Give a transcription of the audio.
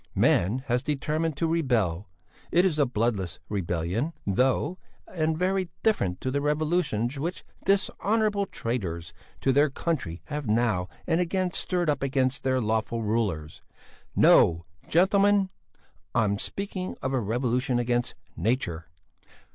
Man has determined to rebel; it is a bloodless rebellion, though, and very different to the revolutions which dishonourable traitors to their country have now and again stirred up against their lawful rulers. No! gentlemen! I'm speaking of a revolution against nature!